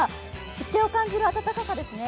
湿気を感じる暖かさですね。